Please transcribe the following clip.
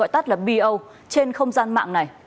tắt là bo trên không gian mạng này